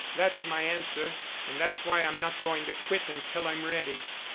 That's my answer. And that's why I'm not going to quit until I'm ready."